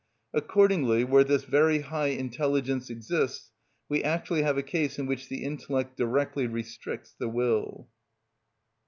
Accordingly, where this very high intelligence exists we actually have a case in which the intellect directly restricts the will.